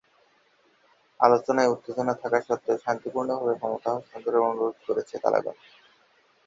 আলোচনায় উত্তেজনা থাকা সত্ত্বেও, শান্তিপূর্ণভাবে ক্ষমতা হস্তান্তরের অনুরোধ করেছে তালেবান।